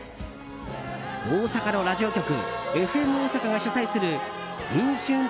大阪のラジオ局ＦＭ大阪が主催する飲酒運転